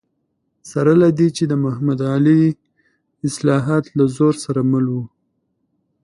سره له دې چې د محمد علي اصلاحات له زور سره مل و.